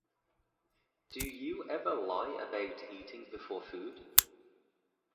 Do you ever lie about eating before food?